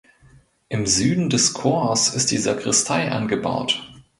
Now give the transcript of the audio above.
Im Süden des Chors ist die Sakristei angebaut.